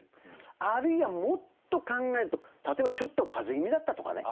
あるいはもっと考えると例えばちょっと風邪気味だったとかね。